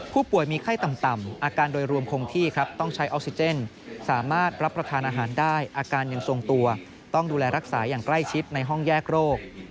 ผู้ป่วยมีไข้ต่ำอาการโดยรวมคงที่ครับต้องใช้ออกซิเจนสามารถรับประทานอาหารได้อาการยังทรงตัวต้องดูแลรักษาอย่างใกล้ชิดในห้องแยกโรค